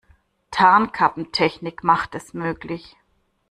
Tarnkappentechnik macht es möglich.